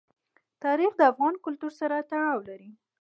تاریخ د افغان کلتور سره تړاو لري.